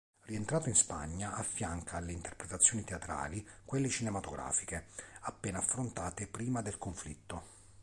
Rientrato in Spagna affianca alle interpretazioni teatrali quelle cinematografiche, appena affrontate prima del conflitto.